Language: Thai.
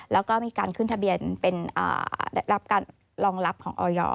แล้วก็มีการขึ้นทะเบียนเป็นได้รับการรองรับของออย